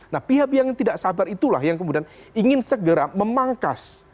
nah pihak pihak yang tidak sabar itulah yang kemudian ingin segera memangkas